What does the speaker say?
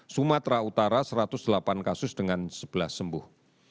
sumatera utara satu ratus delapan kasus dengan sebelas sembuh